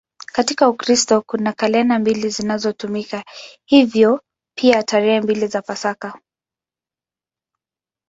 Katika Ukristo kuna kalenda mbili zinazotumika, hivyo pia tarehe mbili za Pasaka.